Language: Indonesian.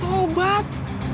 tau gua gue ditobat